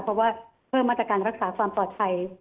เพราะว่าเพิ่มมาตรการรักษาความปลอดภัย